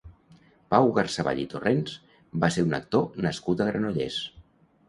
Pau Garsaball i Torrents va ser un actor nascut a Granollers.